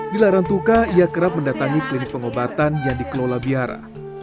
di larang tuka ia kerap mendatangi klinik pengobatan yang dikelola biara